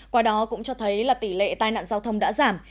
qua đó cũng cho thấy là tỷ lệ tai nạn giao thông đã giảm